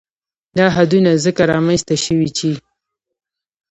دا حدونه ځکه رامنځ ته شوي چې